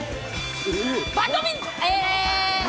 バドミントン、え。